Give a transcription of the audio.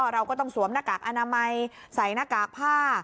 เราก็ต้องสวมหน้ากากอนามัยใส่หน้ากากผ้า